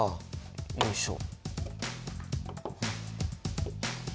よいしょ。